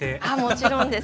もちろんです。